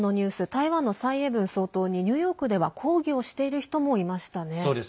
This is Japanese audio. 台湾の蔡英文総統にニューヨークでは抗議をしている人もいましたね。